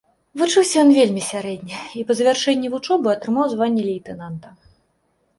Вучыўся ён вельмі сярэдне, і па завяршэнні вучобы атрымаў званне лейтэнанта.